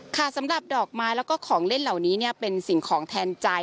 สำหรับดอกไม้แล้วก็ของเล่นเหล่านี้เป็นสิ่งของแทนใจ